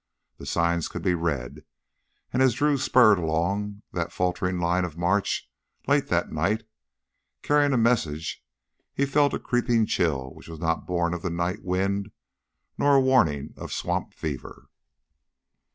The signs could be read, and as Drew spurred along that faltering line of march late that night, carrying a message, he felt a creeping chill which was not born of the night wind nor a warning of swamp fever.